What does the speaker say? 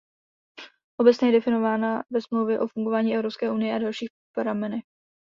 Obecně je definována ve Smlouvě o fungování Evropské unie a dalších pramenech.